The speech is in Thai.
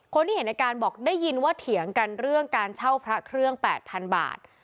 เห็นในการบอกได้ยินว่าเถียงกันเรื่องการเช่าพระเครื่อง๘๐๐๐บาท